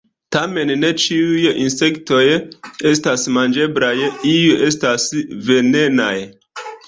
Tamen ne ĉiuj insektoj estas manĝeblaj, iuj estas venenaj.